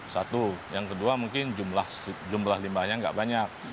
satu yang kedua mungkin jumlah limbahnya nggak banyak